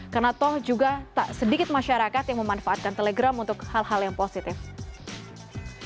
karena toh juga sedikit masyarakat yang memanfaatkan telegram untuk hal hal yang penting